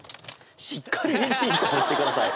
しっかりめにピンポン押して下さい‼」